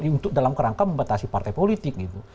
untuk dalam kerangka membatasi partai politik gitu